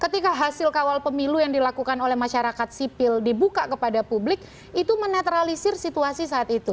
ketika hasil kawal pemilu yang dilakukan oleh masyarakat sipil dibuka kepada publik itu menetralisir situasi saat itu